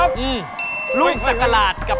พร้อมนะครับ